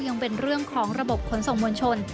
ยังเป็นเรื่องของระบบขนส่งมวลชน